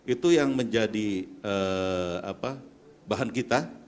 itu yang menjadi bahan kita